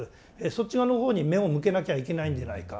そっち側のほうに目を向けなきゃいけないんじゃないか？